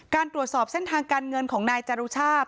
ตรวจสอบเส้นทางการเงินของนายจรุชาติ